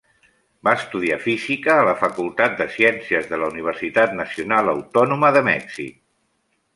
Va estudiar Física a la Facultat de Ciències de la Universitat Nacional Autònoma de Mèxic.